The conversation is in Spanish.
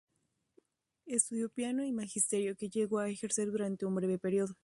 Estudió piano y magisterio, que llegó a ejercer durante un breve periodo.